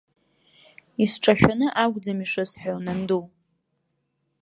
Исҿашәаны акәӡам ишысҳәо, нанду.